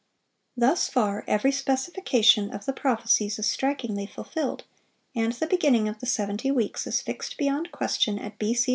(546) Thus far every specification of the prophecies is strikingly fulfilled, and the beginning of the seventy weeks is fixed beyond question at B.C.